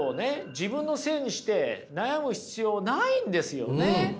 自分のせいにして悩む必要ないんですよね。